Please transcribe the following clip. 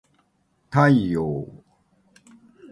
太陽